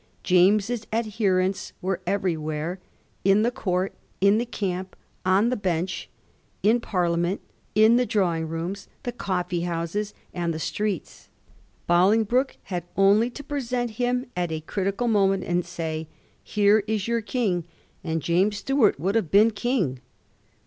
James's adherents were everywhere ; in the court, in the camp, on the bench, in Parliament, in the drawing rooms, the cofTee houses, and the streets. Bolingbroke had only to present him at a critical moment, and say ^ Here is your king,' and James Stuart would have been king.